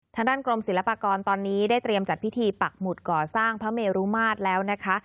ทางด้านกรมศิลปากรตอนนี้ได้เตรียมจัดพิธีปักหมุดก่อสร้างพระเมรุมาตรแล้วนะคะ